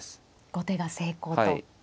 後手が成功と。